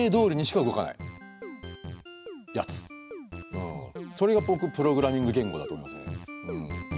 ではそれが僕プログラミング言語だと思いますね。